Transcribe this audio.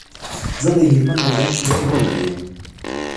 زه د هلمند ولايت اوسېدونکی يم